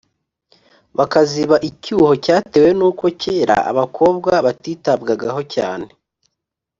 bakaziba icyuho cyatewe n’uko kera abakobwa batitabwagaho cyane